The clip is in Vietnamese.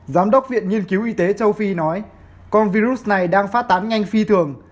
giám đốc viện nghiên cứu y tế châu phi nói con virus này đang phát tán nhanh phi thường